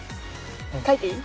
書いていい？